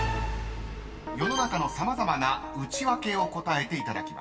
［世の中の様々なウチワケを答えていただきます］